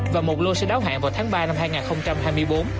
và một lô sẽ đấu hạn vào tháng ba năm hai nghìn hai mươi